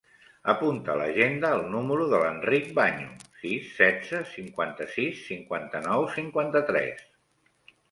Apunta a l'agenda el número de l'Enric Vaño: sis, setze, cinquanta-sis, cinquanta-nou, cinquanta-tres.